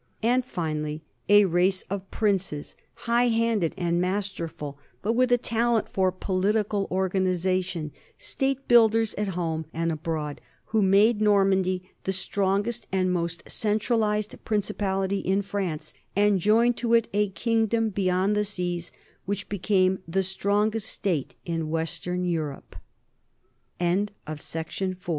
And finally a race of princes, high handed and masterful but with a talent for political organization, state builders at home and abroad, who made Normandy the strongest and most centralized principality in France and joined to it a kingdom beyond the seas which became the strongest state in